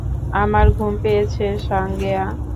আমার ঘুম পেয়েছে, সাঙ্গেয়া।